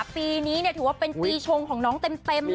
ปีนี้ถือว่าเป็นปีชงของน้องเต็มเลย